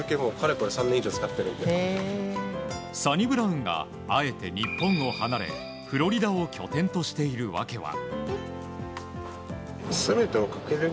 サニブラウンがあえて日本を離れフロリダを拠点としている訳は。